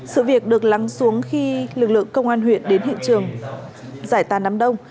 sự việc được lắng xuống khi lực lượng công an huyện đến hiện trường giải tàn đám đông